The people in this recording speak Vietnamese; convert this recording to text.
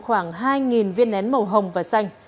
khoảng hai viên nén màu hồng và xanh